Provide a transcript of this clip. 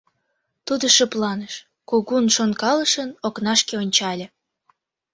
Тудо шыпланыш, кугун шонкалышын, окнашке ончале.